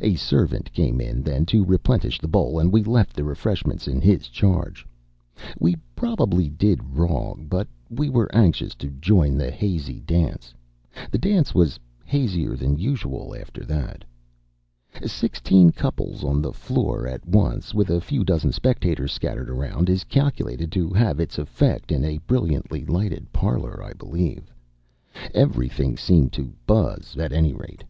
A servant came in then, to replenish the bowl, and we left the refreshments in his charge. We probably did wrong, but we were anxious to join the hazy dance. The dance was hazier than usual, after that. Sixteen couples on the floor at once, with a few dozen spectators scattered around, is calculated to have its effect in a brilliantly lighted parlor, I believe. Everything seemed to buzz, at any rate.